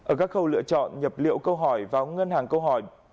ở các khâu lựa chọn nhập liệu câu hỏi vào ngân hàng câu hỏi